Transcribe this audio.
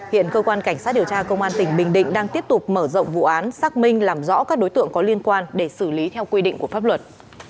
hiện cơ quan cảnh sát điều tra công an tỉnh bình định đang tiếp tục mở rộng vụ án xác minh làm rõ các đối tượng có liên quan để xử lý theo quy định của pháp luật